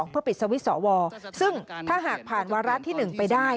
เพื่อปิดสวิตช์สวซึ่งถ้าหากผ่านวาระที่๑ไปได้